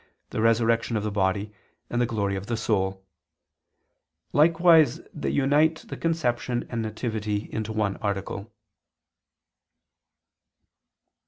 the resurrection of the body, and the glory of the soul. Likewise they unite the conception and nativity into one article.